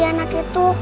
dari anak itu